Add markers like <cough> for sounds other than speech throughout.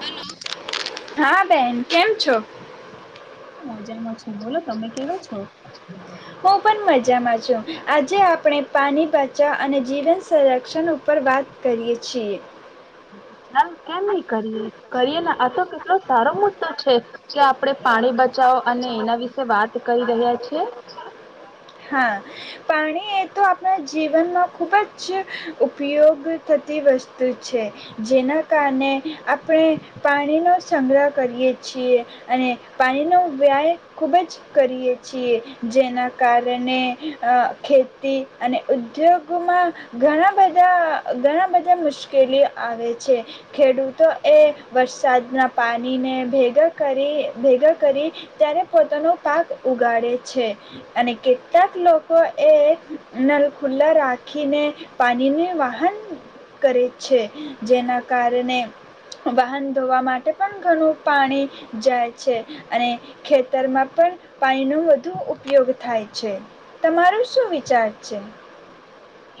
Hello. હા બેહેન, કેમ છો? મજામાં છું, બોલો તમે કેવા છો? હું પણ મજામાં છું. આજે આપણે પાણી બચાવ અને જીવન સુરક્ષણ ઉપર વાત કરીય છીએ. <unintelligible> કેમ નઈ કરીએ, કરીએ ને, આ તો કેટલો સારો મુદ્દો છે. કે આપડે પાણી બચાવો અને એના વિશે વાત કરી રહ્યા છીએ. હા પાણી એ તો આપણા જીવનમાં ખૂબ જ ઉપયોગ થતી વસ્તુ છે, જેના કારણે આપણે પાણીનો સંગ્રહ કરીએ છીએ અને પાણીનો વ્યાય ખૂબ જ કરીએ છીએ, જેના કારણે અ ખેતી અને ઉદ્યોગમાં ઘણા બધા ઘણા બધા મુશ્કેલીઓ આવે છે ખેડૂતો એ વરસાદના પાણીને ભેગા કરી ભેગા કરી ત્યારે પોતાનો પાક ઉગાડે છે, અને કેટલાક લોકો એ નલ ખુલ્લા રાખીને પાણીની વાહન કરે છે, જેના કારણે વાહન ધોવા માટે પણ ઘણું પાણી જાય છે, અને ખેતરમાં પણ પાણી નું વધુ ઉપયોગ થાય છે, તમારો શું વિચાર છે?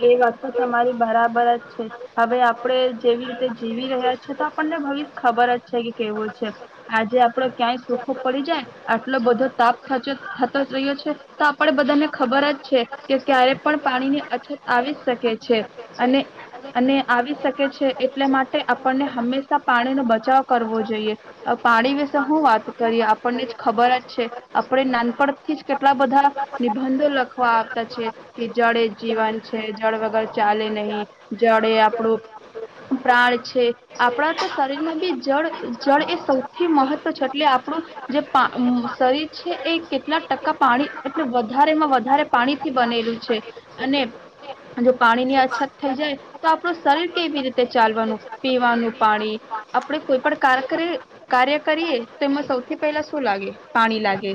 એ વાત તો તમારી બરાબર જ છે, હવે આપણે જેવી રીતે જીવી રહ્યા છી તો આપણને ભવિષ્ય ખબર જ છે કે કેવું છે આજે આપડો ક્યાંય સુખો પડી જાય, આટલો બધો તાપ થચુ થતો જ રહ્યો છે તો આપણે બધાને ખબર જ છે કે ક્યારે પણ પાણી ની અછત આવી શકે છે, અને અને આવી શકે છે એટલે માટે આપણને હંમેશા પાણીનો બચાવ કરવો જોઈએ, અ પાણી વિશે હું વાત કરીએ આપણને જ ખબર જ છે, આપણે નાનપણથી જ કેટલા બધા નિબંધો લખવા આવતા છે કે જડે જીવન છે, જળ વગર ચાલે નહીં, જળ એ આપણું પ્રાણ છે, આપણા તો શરીરમાં બી જળ જળ એ સૌથી મહત્વ છે એટલે આપણું જે પ શરીર છે એ કેટલા ટકા પાણી એટલે વધારેમાં વધારે પાણીથી બનેલું છે અને જો પાણી ની અછત થઈ જાય તો આપણું શરીર કેવી રીતે ચાલવાનું, પીવાનું પાણી, આપણે કોઈ પણ કાર કરીએ કાર્ય કરીએ તો એમાં સૌથી પહેલા શું લાગે પાણી લાગે,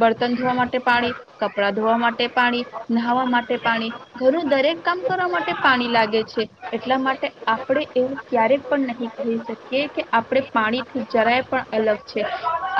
બળતન ધોવા માટે પાણી, કપડાં ધોવા માટે પાણી, નાહાવા માટે પાણી. ઘર દરેક કામ કરવા માટે પાણી લાગે છે. એટલા માટે આપણે એવું ક્યારે પણ નહી કહી શકીએ કે આપણે પાણીથી જરાય પણ અલગ છે.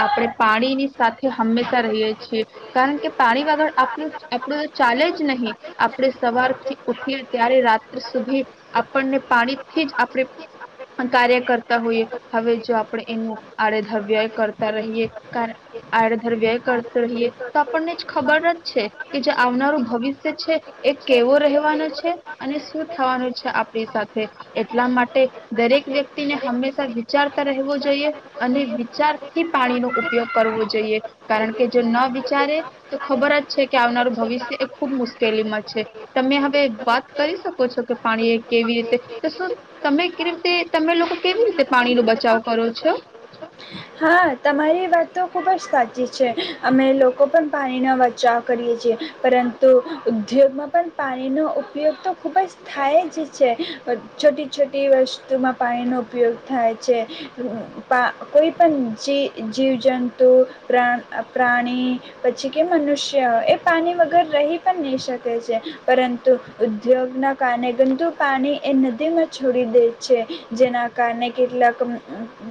આપણે પાણીની સાથે હંમેશા રહીએ છીએ કારણ કે પાણી વગર આપું આપણું તો ચાલે જ નહીં. આ આપડે સવાર ઉઠીએ ત્યારે રાત્ર સુધી આપણને પાણીથી જ આપણે કાર્ય કરતા હોઈએ. હવે જો આપણે એનું આડેધર વ્યય કરતા રહીએ આડેધર વ્યય કરતો રહીએ તો આપણને જ ખબર જ છે કે જે આવનારું ભવિષ્ય છે એ કેવો રહેવાનો છે અને શું થવાનું છે આપણી સાથે. એટલા માટે દરેક વ્યક્તિને હંમેશા વિચારતા રહેવું જોઈએ અને વિચારથી પાણીનો ઉપયોગ કરવો જોઈએ કારણ કે જો ન વિચારે તો ખબર જ છે કે આવનારું ભવિષ્ય એ ખુબ મુશ્કેલી માં છે. તમે હવે વાત કરી શકો છો કે પાણી કેવી રીતે તો શું તમે કેવી રીતે તમે લોકો કેવી રીતે પાણી નો બચાવ કરો છો? હા તમારી વાત તો ખૂબ જ સાચી છે અમે લોકો પણ પાણીનો બચાવ કરીએ છીએ પરંતુ ઉદ્યોગમાં પણ પાણીનો ઉપયોગ તો ખૂબ જ થાય જ છે છોટી છોટી વસ્તુમાં પાણીનો ઉપયોગ થાય છે. પા કોઈ પણ જી જીવજંતુ પ્રા પ્રાણી પછી કે મનુષ્ય એ પાણી વગર રહી પણ નહીં શકે છે પરંતુ ઉદ્યોગના કારણે ગંદુ પાણી એ નદીમાં છોડી દે છે જેના કારણે કેટલાક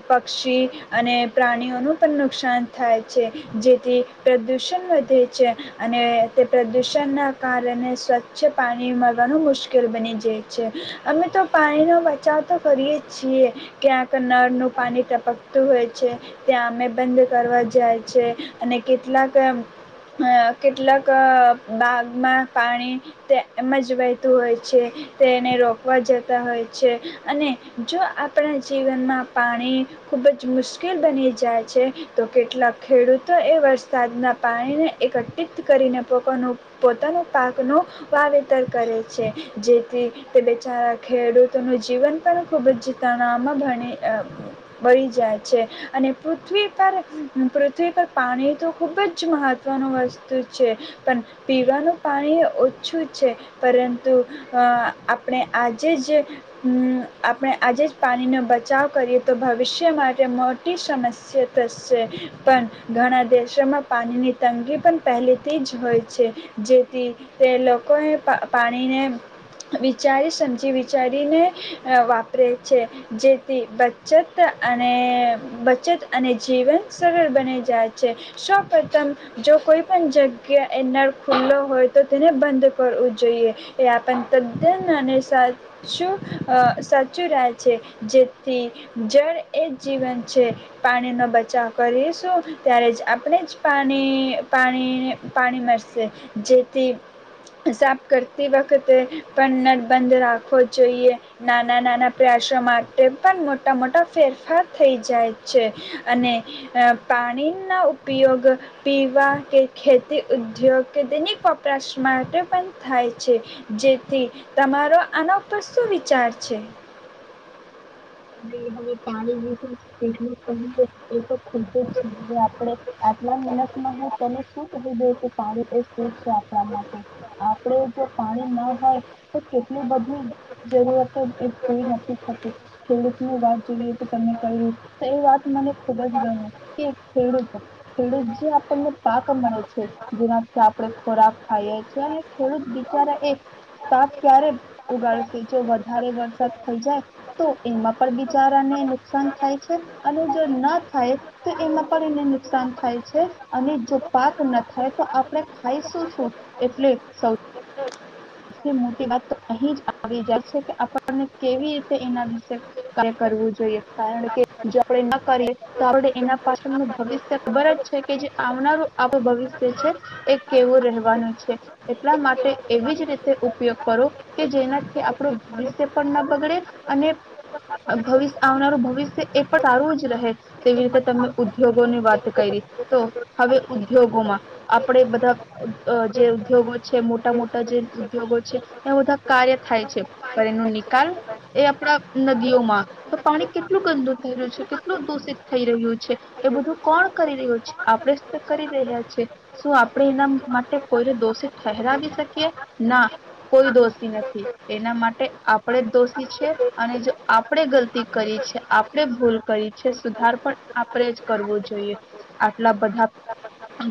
પક્ષી અને પ્રાણીઓનું પણ નુકસાન થાય છે. જેથી પ્રદુષણ વધે છે અને તે પ્રદુષણ ના કારણે સ્વચ્છ પાણી મળવાનું મુશ્કેલ બની જાય છે. અમે તો પાણીનો બચાવ તો કરીએ છીએ ક્યાંક નળનું પાણી ટપક હોય છે ત્યાં અમે બંધ કરવા જાય છે અને કેટલાક અ કેટલાક બાગમાં પાણી એમ જ વહેતું હોય છે તે એને રોકવા જતા હોય છે અને જો આપણા જીવનમાં પાણી ખૂબ જ મુશ્કેલ બની જાય છે. તો કેટલાક ખેડૂતો એ વરસાદના પાણીને એકત્રિત કરીને પોતાનું પોતાનો પાકનું વાવેતર કરે છે. જેથી તે બેચારા ખેડૂતોનું જીવન પણ ખૂબ જ તણાવમાં ભણી વળી જાય છે અને પૃથ્વી પર પૃથ્વી પર પાણી તો ખૂબ જ મહત્ત્વનું વસ્તુ છે. પણ પીવાનું પાણી ઓછું છે પરંતુ આપણે આજે જ આપણે આજે જ પાણીનો બચાવ કરીએ તો ભવિષ્ય માટે મોટી સમસ્યા તો છે પણ ઘણા દેશોમાં પાણીની તંગી પણ પહેલેથી જ હોય છે. જેથી તે લોકોએ પાણીને વિચારી સમજી વિચારીને વાપરે છે. જેથી બ ચત અને બચત અને જીવન સરળ બની જાય છે. સૌપ્રથમ જો કોઈ પણ જગ્યા એનળ ખુલ્લો હોય તો તેને બંધ કરવું જોઈએ એ આપણ તદ્દન અને સાચું સાચું રહે છે. જેથી જળ એ જ જીવન છે. પાણીનો બચાવ કરીશું ત્યારે જ આપણે જ પાણી પાણી પાણી મળશે. જેથી સાફ કરતી વખતે પણ નટબંધ રાખવો જોઈએ, નાના નાના પ્રયાસો માટે પણ મોટ તા મોટા ફેરફાર થઈ જાય છે અને પાણીના ઉપયોગ પીવા કે ખેતી ઉદ્યોગ કે દૈનિક વપરાશ માટે પણ થાય છે જેથી તમારો આના ઉપર શું વિચાર છે? તે હવે પાણી વિશે એટલ કહીએે એ તો ખુબ જ આપણે આટલા મિનટમાં હું તને શું કરી દે કે પાણી એ શું છે આપણા માટે આપણે જો પાણી ના હોય તો કેટલી બધી જરૂરતો એ પૂરી નથી થતી. યે બાદ જે તમે કહ્યું તો એ વાત મને ખુબ જ ગમી કે ખેડૂતો ખેડૂત જે આપણને પાક મળે છે. જેનાથી આપણે ખોરાક ખાઈએ છીએ અને ખેડૂત બિચારા એ પાક ક્યારે ઉગાડશે જો વધારે વરસાદ થઈ જાય તો એમાં પણ બિચારાને નુકસાન થાય છે અને જો ના થાય તો એમાં પણ એને નુકસાન થાય છે અને જો પાક ના થાય તો આપણે ખાયશું શું એટલે સૌ મોટી વાત તો અહી જ આવી જાય છે કે આપણને કેવી રીતે એના વિશે કરવું જોઈએ. કારણ કે જો આપણે ન કરીએ તો આપ એના પાછળનું ભવિષ્ય ખબર જ છે કે જે આવનારું આપનું ભવિષ્ય છે એ કેવું રહેવાનું છે. એટલા માટે એવી જ રીત તે ઉપયોગ કરો કે જેનાથી આપણું ભવિષ્ય પણ ના બગડે અને ભવિષ્ય આવનારું ભવિષ્ય એ પણ સારું જ રહે. તેવી રીતે તમે ઉદ્યોગોની વાત કરી તો હવે ઉદ્યોગોમાં આપણે બધા જે ઉદ્યોગો છે મોટા મોટા જે ઉદ્યોગો છે એ બધા કાર્ય થાય છે. પણ એનો નિકાલ એ આપણા નદીઓમાં તો પાણી કેટલું ગંદુ થઈ રહ્યું છે, કેટલું દૂષિત થઈ રહ્યું છે એ બધું કોણ કરી રહ્યું છે આપણે કરી રહ્યા છે. શું આપણે એના માટે કોઈને દોષિત ઠરાવી શકીએ? ના. કોઈ દોષી નથી એના માટે આપણેે જ દોષી છે અને જો આપણે ગલતી કરી છે, આપણે ભૂલ કરી છે સુધાર પણ આપણેે જ કરવો જોઈએ. આટલા બધા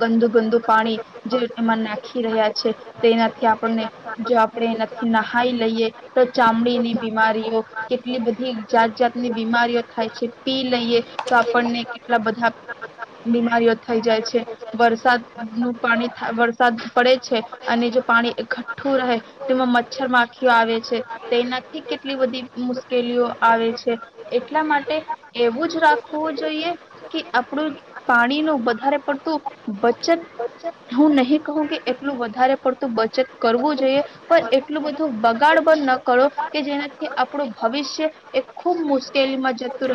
ગંદુ ગંદુ પાણી જે એમાં નાખી રહ્યા છે તેનાથી આ પણને એનાથી નહાઈ લઈએ તો ચામડીની બીમારીઓ કેટલી બધી જાત જાતની બીમારીઓ થાય છે પી લઈએ તો આપણને કેટલા બધા બીમારીઓ થઈ જાય છે. વરસાદ નું પાણી વરસાદ પડે છે અને જો પાણી ઘઠ્ઠું રહે તેમાં મચ્છર માખીઓ આવે છે. તેનાથી કેટલી બધી મુશ્કેલીઓ આવે છે. એટલા માટે એવું જ રાખવું જોઈએ કે આપણું પાણીનું વધારે પડતું બચત હું નહી કહું કે એટલું વધારે પડતું બચત કરવું જોઈએ. પણ એટલું બધું બગાડ પણ ન કરો કે જેનાથી આપણું ભવિષ્ય એ ખૂબ મુશ્કેલીમાં જતું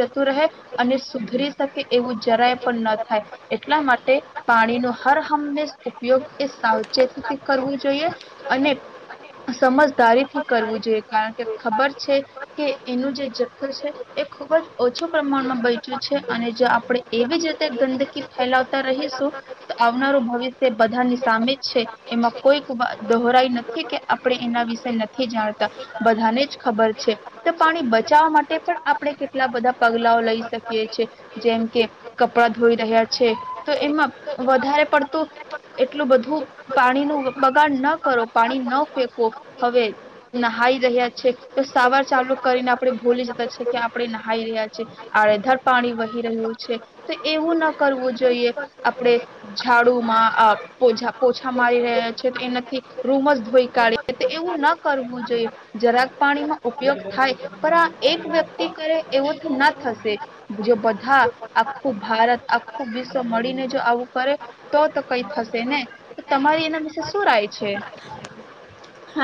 જતું રહે અને સુધરી શકે એવું જરાય પણ ન થાય એટલા માટે પાણીનો હર હંમેશ ઉપયોગ એ સાવચેતી કરવું જોઈએ અને સમજદારીથી કરવું જોઈએ. કારણ કે ખબર છે કે એનું જે જથ્થ છે એ ખુબ જ ઓછું પ્રમાણમાં બચ્યું છે અને જો આપણે એવી જ રીતે ગંદકી ફેલાવતા રહીશું તો આવનારું ભવિષ્ય બધાની સામે છે. એમાં કોઈ દોહરાઈ નથી કે આપણે એના વિશે નથી જાણતા બધાને જ ખબર છે. તો પાણી બચાવવા માટે પણ આપણે કેટલા બધા પગલાઓ લઈ શકીએ છે જેમ કે કપડા ધોઈ રહ્યા છે તો એમાં વધારે પડતું એટલું બધું પાણીનું બગાડ ન કરો, પાણી ન ફેંકો હવે નહાઈ રહ્યા છે તો સવાર ચાલુ કરીને આપણે ભૂલી જતા છે કે આપણે નહાઈ રહ્યા છી આડેધર પાણી વહી રહ્યું છે. તો એવું ના કરવું જોઈએ આપણે ઝાડુમાં છા પોછા મારી રહ્યા છે તો એનાથી રૂમ જ ધોઈ કાઢી એવું ના કરવું જોઈએ. જરાક પાણીમાં ઉપયોગ થાય પણ આ એક વ્યક્તિ કરે એવું ના થશે જો બધા આખું ભારત આખું વિશ્વ મળીને જો આવું કરે તો તો કઈ થશે ને. તમારી એના વિશે શું રાય છે?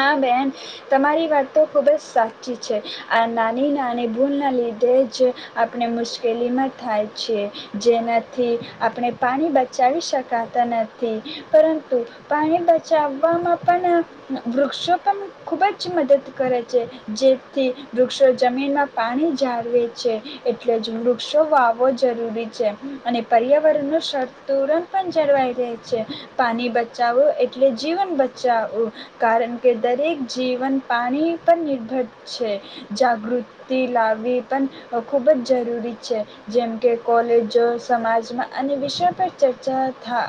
હા બેહેન, તમારી વાત તો ખૂબ જ સાચી છે. આ નાની નાની ભૂલના લીધે જ આપણે મુશ્કેલીમાં થાય છે જેનાથી આપણે પાણી બચાવી શકાતા નથી. પરંતુ પાણી બચાવવામાં પણ વૃક્ષો પણ ખુબ જ મદદ કરે છે. જેથી વૃક્ષો જમીનમાં પાણી જાળવે છે એટલે જ વૃક્ષો વાવવો જરૂરી છે અને પર્યાવરણ ન સતુરણ પણ જળવાઈ રહે છે. પાણી બચાવવું એટલે જીવન બચાવવું. કારણ કે દરેક જીવન પાણી પર નિર્ભર છે. જાગૃતિ લાવવી પણ ખૂબ જ જરૂરી છે જેમ કે કોલેજો સમાજમાં અનેક વિષયો પર ચર્ચા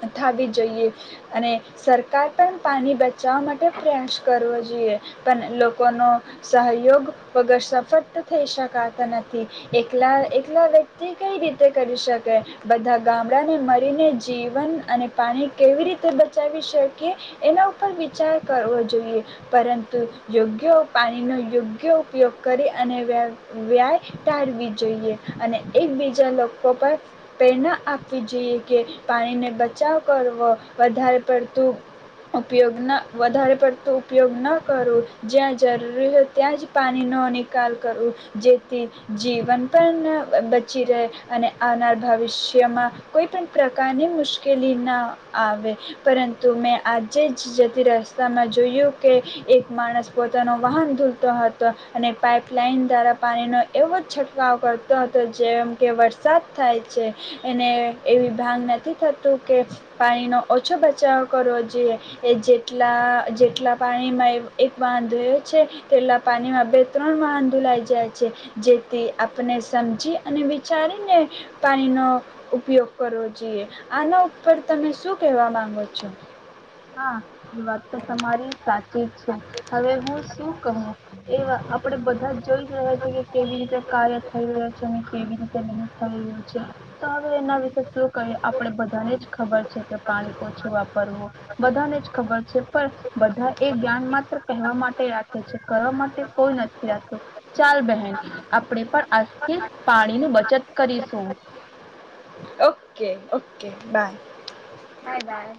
થ થવી જોઈએ અને સરકાર પણ પાણી બચાવવા માટે પ્રયાસ કરવો જોઈએ. પણ લોકોનો સહયોગ વગર સફળ થઈ શકાતા નથી. એકલા એકલા વ્યક્તિ કઈ રીતે કરી શકે બધા ગામડાને મળીને જીવન અને પાણી કેવી રીતે બચાવી શકીએ? એના ઉપર વિચાર કરવો જોઈએ. પરંતુ યોગ્ય પાણીનો યોગ્ય ઉપયોગ કરી અને વ્યાય ટાળવી જોઈએ અને એકબીજા લોકો પર પ્રેરણા આપવી જોઈએ કે પાણીને બચાવ કરવો વધારે પડતું ઉપયોગ ન વધારે પડતો ઉપયોગ ન કરું જ્યાં જરૂરી હોય ત્યાં જ પાણી નો નિકાલ કરવું જેથી જીવન પણ બચી રહે અને આવનાર ભવિષ્યમાં કોઈ પણ પ્રકારની મુશ્કેલી ન આવે પરંતુ મેં આજે જ જતી રસ્તામાં જોયું કે એક માણસ પોતાનો વાહન ધૂલતો હતો અને પાઇપલાઈન દ્વારા પાણીનો એવો છંટકાવ કરતો હતો. જેમ કે વરસાદ થાય છે એને એવી ભાંગ નથી થતું કે પાણીનો ઓછો બચાવ કરો જોઇએ. એ જેલા જેટલા પાણીમાં એક વાહન ધોયો છે તેટલા પાણીમાં બે ત્રણ વાહન ધોલાઈ જાય છે જેથી આપને સમજી અને વિચારીને પાણીનો ઉપયોગ કરવો જોઈએ. આના ઉપર તમે શું કહેવા માંગો છો? હા એ વાત તો તમારી સાચી જ છે. હવે હું શું કહું એ આપણે બધા જોઈ રહ્યા છે કે કેવી રીતે કાર્ય થઈ રહ્યું છે અને કેવી રીતે નહીં થઈ રહ્યું છે તો હવે એના વિશે શું કહીએ આપણે બધાને જ ખબર છે કે પાણી ઓછું વાપરવું બધાને જ ખબર છે. બધા એ જ્ઞાન માત્ર કહેવા માટે રાખે છે કરવા માટે કોઈ નથી રાખતું. ચાલ બહેન આપણે પણ આજથી પાણીની બચત કરીશું. Okay okay bye. Bye by.